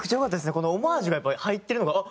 このオマージュがやっぱり入ってるのがあっ